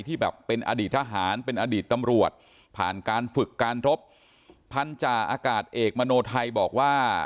ที่แบบเป็นอดีตทหารเป็นอดีตตำรวจผ่านการฝึกการรบพันธาอากาศเอกมโนไทยบอกว่า